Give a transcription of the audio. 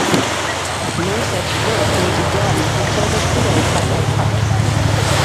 No such work may be done until the seals have their pups.